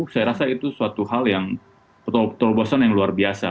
saya rasa itu suatu hal yang terobosan yang luar biasa